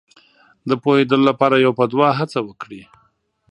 د پوهېدو لپاره یو په دوه هڅه وکړي.